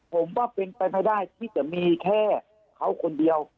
ผมว่าเป็นไปไม่ได้ที่จะมีแค่เขาคนเดียว